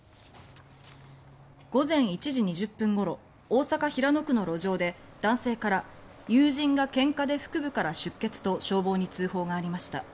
午前１時２０分ごろ大阪・平野区の路上で男性から友人がけんかで腹部から出血と消防に通報がありました。